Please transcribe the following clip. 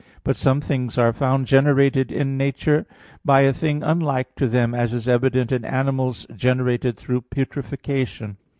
But some things are found generated in nature by a thing unlike to them; as is evident in animals generated through putrefaction.